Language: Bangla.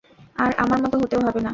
আর, আমার মতো হতেও হবে না।